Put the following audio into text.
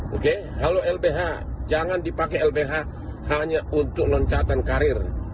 oke kalau lbh jangan dipakai lbh hanya untuk loncatan karir